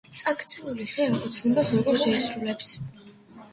წაქცეული ხე ოცნებას როგორ შეისრულებს!